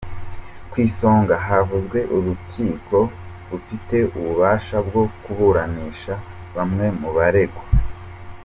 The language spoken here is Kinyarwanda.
Ku isonga havuzwe urukiko rufite ububasha bwo kuburanisha bamwe mu baregwa.